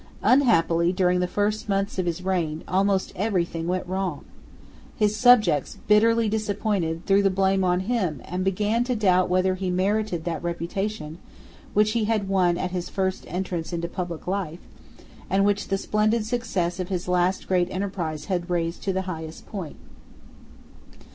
Unhappily, during the first months of his reign, almost every thing went wrong. His subjects, bitterly disappointed, threw the blame on him, and began to doubt whether he merited that reputation which he had won at his first entrance into public life, and which the splendid success of his last great enterprise had raised to the highest point.